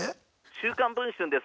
「『週刊文春』です。